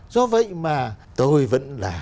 có vậy mà tôi vẫn là